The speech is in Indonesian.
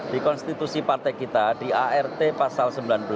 di konstitusi partai kita di art pasal sembilan belas